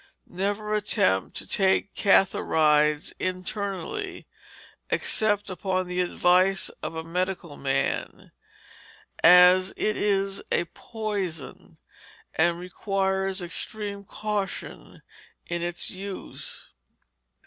_ Never attempt to take cantharides internally, except under the advice of a medical man, as it is a poison, and requires extreme caution in its use.